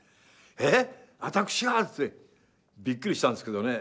「えっ私が？」ってびっくりしたんですけどね。